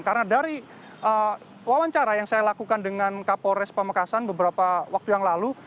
karena dari wawancara yang saya lakukan dengan kapolres pamekasan beberapa waktu yang lalu